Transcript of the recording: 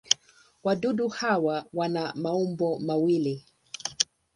Wadudu hawa wana maumbo mawili.